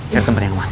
saya tempat yang aman